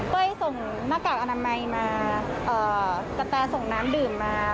ก็ให้ส่งหน้ากากอนามัยมาเอ่อกระแตส่งน้ำดื่มมา